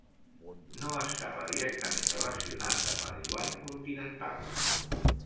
No estava directament relacionat amb el yuan continental.